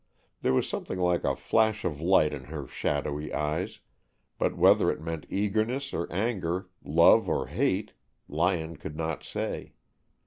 There was something like a flash of light in her shadowy eyes, but whether it meant eagerness or anger, love or hate, Lyon could not say.